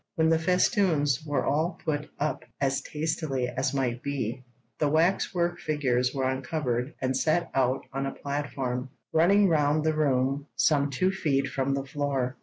When the festoons were all put up as tastily as might be, the wax work figures were uncovered and set out on a platform running round the room some two feet from the floor.